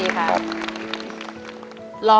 นี่คือเพลงที่นี่